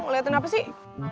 liatin apa sih